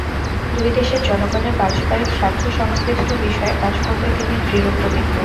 দুই দেশের জনগণের পারস্পরিক স্বার্থ-সংশ্লিষ্ট বিষয়ে কাজ করতে তিনি দৃঢ় প্রতিজ্ঞ।